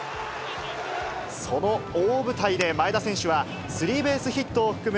その大舞台で前田選手はスリーベースヒットを含む